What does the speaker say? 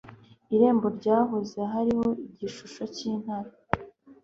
Irembo ryahoze hariho igishusho cy'intare.